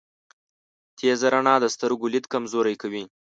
تیزه رڼا د سترګو لید کمزوری کوی.